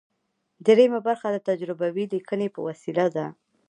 دریمه برخه د تجربوي لیکنې په وسیله ده.